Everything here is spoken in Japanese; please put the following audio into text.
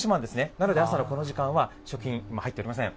なので、朝のこの時間は食品、今入っておりません。